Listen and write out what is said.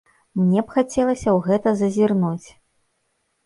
Мне б хацелася ў гэта зазірнуць.